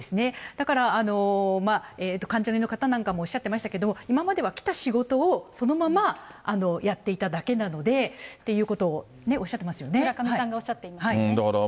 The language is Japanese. だから、関ジャニの方なんかもおっしゃってましたけども、今までは来た仕事をそのままやっていただけなのでっていうことを村上さんがおっしゃっていまだからもう。